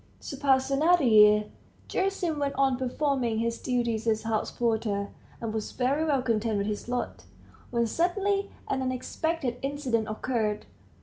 So passed another year. Gerasim went on performing his duties as house porter, and was very well content with his lot, when suddenly an unexpected incident occurred.